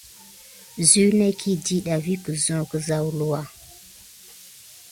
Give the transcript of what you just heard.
Zuneki diɗa vi kədek əwluwa.